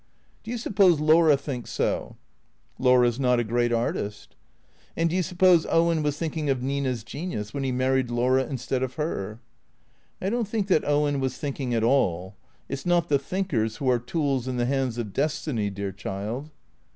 " Do you suppose Laura thinks so ?"" Laura 's not a great artist." " And do you suppose Owen was thinking of Nina's genius when he married Laura instead of her ?"" I don't think that Owen was thinking at all. It 's not the thinkers who are tools in the hands of destiny, dear child."